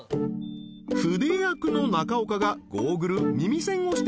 ［筆役の中岡がゴーグル耳栓をして準備完了］